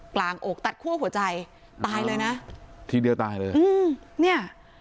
กลางอกตัดขั้วหัวใจตายเลยนะทีเดียวตายเลย